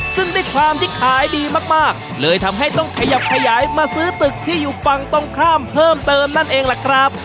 ซึ่งด้วยความที่ขายดีมากเลยทำให้ต้องขยับขยายมาซื้อตึกที่อยู่ฝั่งตรงข้ามเพิ่มเติมนั่นเองล่ะครับ